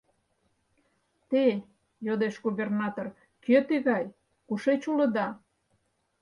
— Те, — йодеш губернатор, — кӧ тыгай, кушеч улыда?